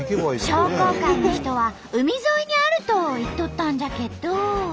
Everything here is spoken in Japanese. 商工会の人は海沿いにあると言っとったんじゃけど。